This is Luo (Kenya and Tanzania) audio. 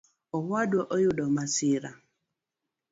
Owadwa oyudo masira